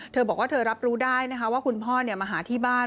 เธอบอกว่าเธอรับรู้ได้นะคะว่าคุณพ่อมาหาที่บ้าน